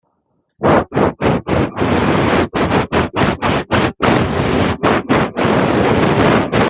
Elle venait à l'aide des pauvres, des étudiants et des religieux.